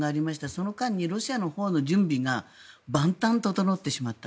その間にロシアのほうの準備が万端、整ってしまった。